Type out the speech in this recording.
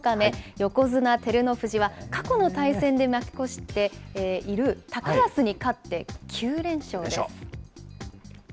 横綱・照ノ富士は、過去の対戦で負け越している高安に勝って９連勝です。